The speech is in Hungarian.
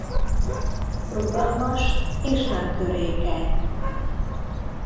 Rugalmas és nem törékeny.